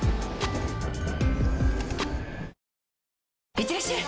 いってらっしゃい！